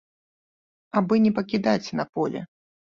Абы не пакідаць на полі.